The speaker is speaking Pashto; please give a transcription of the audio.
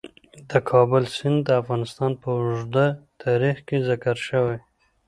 د کابل سیند د افغانستان په اوږده تاریخ کې ذکر شوی.